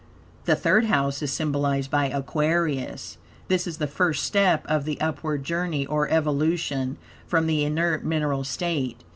The Third House is symbolized by Aquarius. This is the first step of the upward journey, or evolution, from the inert mineral state.